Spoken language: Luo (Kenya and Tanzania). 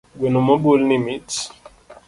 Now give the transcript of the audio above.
Gweno mobul ni mit